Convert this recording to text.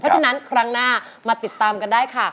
เพราะฉะนั้นครั้งหน้ามาติดตามกันได้ค่ะ